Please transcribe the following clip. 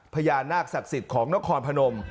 พญานาคศักดิ์สิทธิ์ของนครพนม